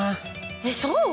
えっそう？